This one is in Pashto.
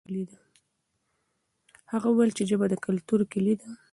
هغه وویل چې ژبه د کلتور کلي ده.